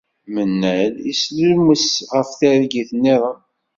Mennad yeslummes ɣef targit niḍen.